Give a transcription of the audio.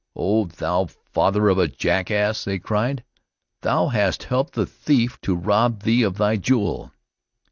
"O thou father of a jackass!" they cried, "thou hast helped the thief to rob thee of thy jewel."